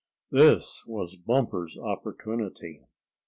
This was Bumper's opportunity.